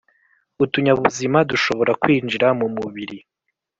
utunyabuzima dushobora kwinjira mu mubiri